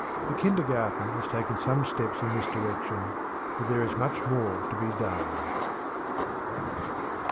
The kindergarten has taken some steps in this direction, but there is much more to be done.